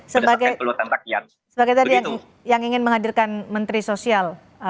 sebagai tadi yang ingin menghadirkan menteri sosial